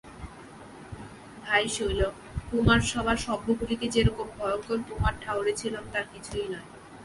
ভাই শৈল, কুমারসভার সভ্যগুলিকে যেরকম ভয়ংকর কুমার ঠাউরেছিলুম তার কিছুই নয়।